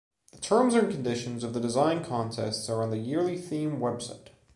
The terms and conditions of the design contest are on the yearly theme website.